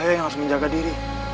saya yang harus menjaga diri